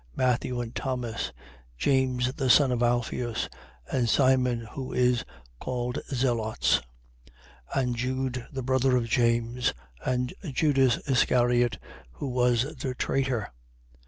Matthew and Thomas, James the son of Alpheus, and Simon who is called Zelotes, 6:16. And Jude the brother of James, and Judas Iscariot, who was the traitor.